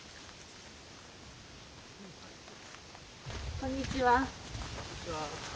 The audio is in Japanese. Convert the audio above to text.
こんにちは。